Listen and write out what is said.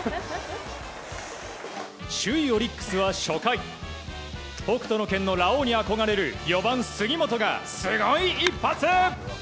首位オリックスは初回北斗の拳のラオウに憧れる４番、杉本がすごい一発！